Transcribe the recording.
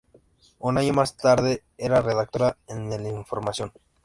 Un año más tarde era redactora en el "Información".